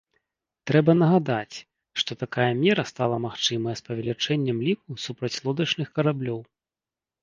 Трэба нагадаць, што такая мера стала магчымая з павелічэннем ліку супрацьлодачных караблёў.